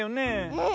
うん。